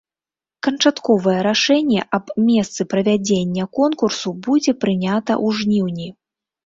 Канчатковае рашэнне аб месцы правядзення конкурсу будзе прынята ў жніўні.